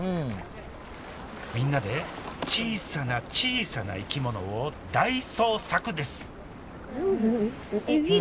みんなで小さな小さな生き物を大捜索です